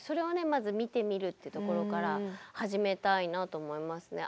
まず見てみるというところから始めたいなと思いますね。